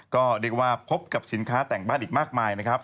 ก็เรียกว่าพบกับสินค้าแต่งบ้านอีกมากมายนะครับ